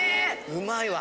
うまいわ。